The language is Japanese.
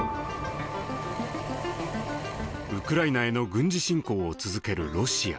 ウクライナへの軍事侵攻を続けるロシア。